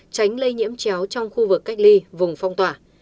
tránh lây nhiễm chéo trong khu vực cách ly vùng phong tỏa